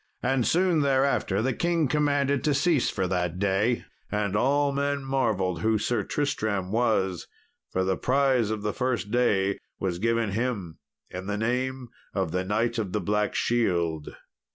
And soon thereafter the king commanded to cease for that day, and all men marvelled who Sir Tristram was, for the prize of the first day was given him in the name of the Knight of the Black Shield.